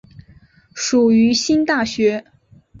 属于新大学。